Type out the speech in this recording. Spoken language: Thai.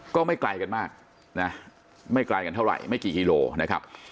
ก็ไม่ไกลกันมากนะไม่ไกลกันเท่าไหร่ไม่กี่กิโลนะครับ